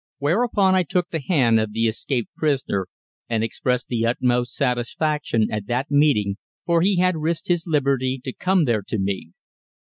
Whereupon I took the hand of the escaped prisoner, and expressed the utmost satisfaction at that meeting, for he had risked his liberty to come there to me.